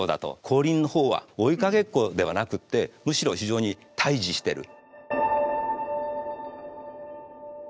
光琳のほうは追いかけっこではなくてむしろ非常に対峙してる。